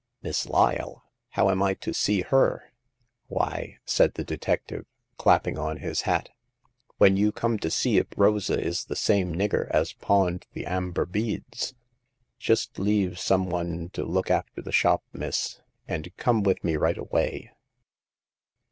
'* Miss Lyle ? How am I to see her ?"" Why," said the detective, clapping on his hat, "when you come to see if Rosa is the same nigger as pawned the amber beads. Just leave some one to look after the shop, miss, and come with me right away."